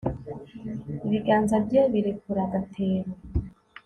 ibiganza bye birekura agatebo